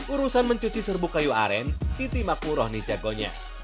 urusan mencuci serbu kayu aren siti makmuroh nih jagonya